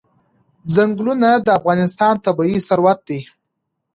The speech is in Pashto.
ځنګلونه د افغانستان طبعي ثروت دی.